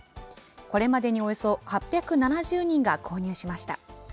これまでにおよそ８７０人が購入しました。